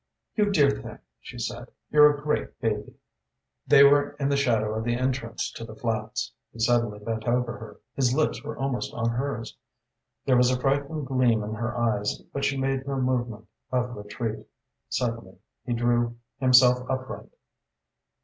"You dear thing!" she said. "You're a great baby!" They were in the shadow of the entrance to the flats. He suddenly bent over her; his lips were almost on hers. There was a frightened gleam in her eyes, but she made no movement of retreat. Suddenly he drew himself upright.